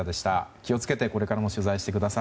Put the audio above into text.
気を付けてこれからも取材してください。